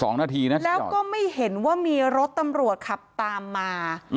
นาทีนะครับแล้วก็ไม่เห็นว่ามีรถตำรวจขับตามมา